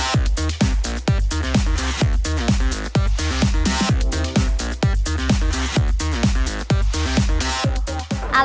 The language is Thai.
ก็เป็นสินทรีย์ภาพสำหรับเราทั้งผู้รอบคุมหายใคร